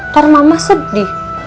kan mama sedih